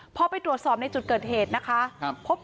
พอไปตรวจสอบในจุดเกิดเหตุนะคะ